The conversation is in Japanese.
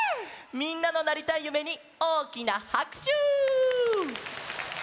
みんなのなりたいゆめにおおきなはくしゅ！